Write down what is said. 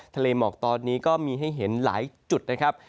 ทะเลหมอกตอนนี้ก็มีให้เห็นหลายจุดนะครับ